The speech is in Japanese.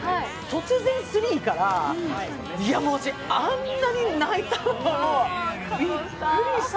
突然３から、あんなに泣いたの、びっくりした。